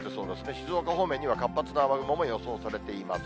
静岡方面には活発な雨雲も予想されています。